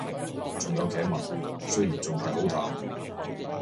仲有頸紋，雖然仲係好淡